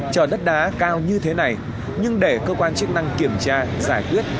chờ đất đá cao như thế này nhưng để cơ quan chức năng kiểm tra giải quyết